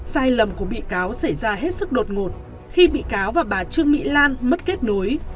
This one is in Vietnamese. sai lầm của bị cáo xảy ra hết sức đột ngột khi bị cáo và bà trương mỹ lan mất kết nối